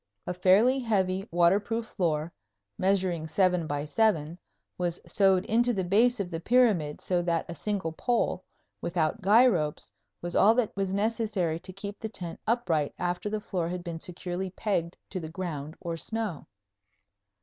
A fairly heavy, waterproof floor, measuring 7 by 7, was sewed to the base of the pyramid so that a single pole, without guy ropes, was all that was necessary to keep the tent upright after the floor had been securely pegged to the ground, or snow.